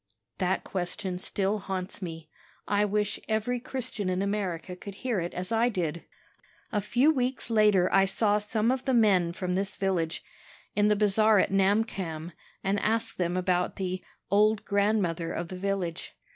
"That question still haunts me. I wish every Christian in America could hear it as I did. "A few weeks later I saw some of the men from this village, in the bazaar at Namkhamm, and asked them about the 'old grandmother of the village.'